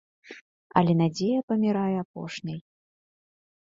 Але надзея памірае апошняй.